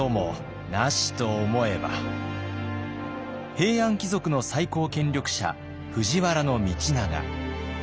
平安貴族の最高権力者藤原道長。